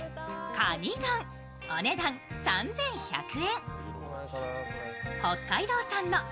かに丼、お値段３１００円。